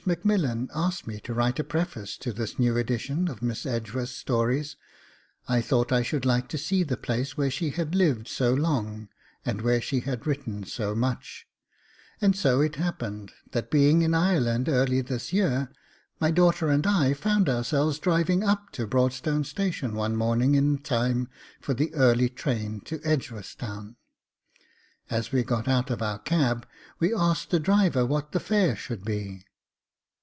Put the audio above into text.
Macmillan asked me to write a preface to this new edition of Miss Edgeworth's stories I thought I should like to see the place where she had lived so long and where she had written so much, and so it happened that being in Ireland early this year, my daughter and I found ourselves driving up to Broadstone Station one morning in time for the early train to Edgeworthstown. As we got out of our cab we asked the driver what the fare should be.